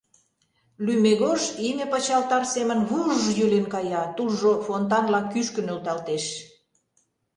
Лӱмегож име пычалтар семын вуж-ж йӱлен кая, тулжо фонтанла кӱшкӧ нӧлталтеш.